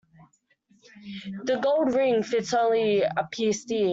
The gold ring fits only a pierced ear.